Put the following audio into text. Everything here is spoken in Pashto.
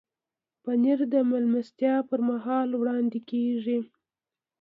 پنېر د میلمستیا پر مهال وړاندې کېږي.